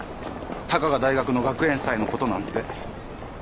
たかが大学の学園祭のことなんて。